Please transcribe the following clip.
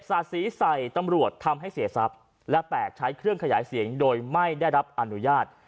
สาดสีใส่ตำรวจทำให้เสียทรัพย์และ๘ใช้เครื่องขยายเสียงโดยไม่ได้รับอนุญาต